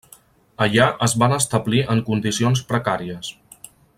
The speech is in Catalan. Allà, es van establir en condicions precàries.